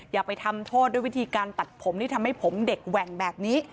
อย่าไปทำโทษด้วยวิธีการตัดผมที่ทำให้ผมเด็กแหว่งแบบนี้